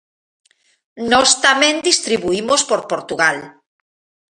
Nós tamén distribuímos por Portugal.